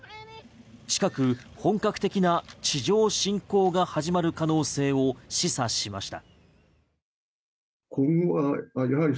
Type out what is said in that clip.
近く本格的な地上侵攻が始まる可能性を示唆しました。